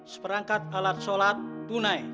seperangkat alat sholat tunai